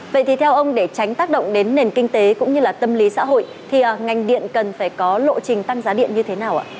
vậy thì theo ông để tránh tác động đến nền kinh tế cũng như là tâm lý xã hội thì ngành điện cần phải có lộ trình tăng giá điện như thế nào ạ